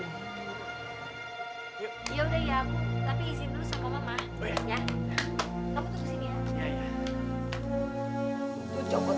yaudah iya tapi izin dulu sama mama